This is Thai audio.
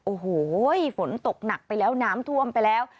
โอ้โหฝนตกหนักไปแล้วน้ำท่วมไปแล้ว